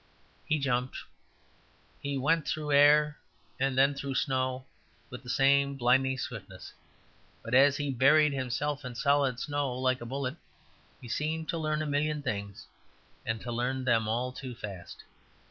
He jumped. He went through air and then through snow with the same blinding swiftness. But as he buried himself in solid snow like a bullet he seemed to learn a million things and to learn them all too fast.